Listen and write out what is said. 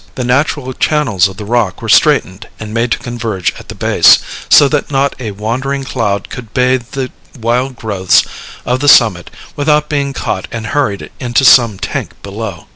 The natural channels of the rock were straightened and made to converge at the base, so that not a wandering cloud could bathe the wild growths of the summit without being caught and hurried into some tank below.